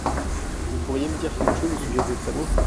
Vous pourriez me dire quelque chose au sujet de votre famille ?